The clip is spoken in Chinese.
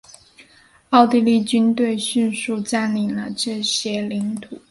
奥地利军队迅速占领了这些领土。